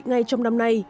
ngay trong năm nay